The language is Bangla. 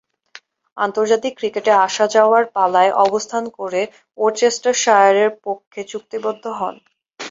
আন্তর্জাতিক ক্রিকেটে আসা-যাওয়ার পালায় অবস্থান করে ওরচেস্টারশায়ারের পক্ষে চুক্তিবদ্ধ হন।